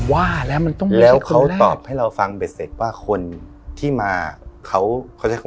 ว่าแล้วมันต้องมีคนแรกแล้วเขาตอบให้เราฟังไปเสร็จว่าคนที่มาเขาเขาใช้